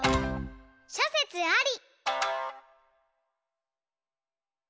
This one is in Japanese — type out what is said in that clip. しょせつあり！